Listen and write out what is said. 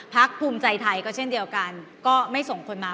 ภูมิใจไทยก็เช่นเดียวกันก็ไม่ส่งคนมา